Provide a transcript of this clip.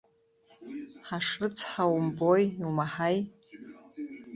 Ҳашрыцҳау умбои, иумаҳаи?